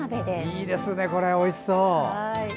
いいですね、おいしそう。